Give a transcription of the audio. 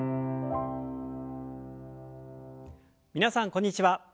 皆さんこんにちは。